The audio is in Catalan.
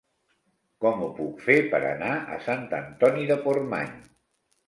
Com ho puc fer per anar a Sant Antoni de Portmany?